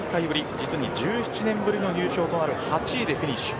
実に１７ぶりの入賞の８位でフィニッシュ。